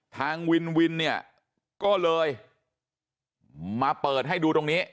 ทางวินวินเนี่ยก็เลยมาเปิดให้ดูตรงนี้